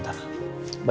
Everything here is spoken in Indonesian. tidak kalau udham puar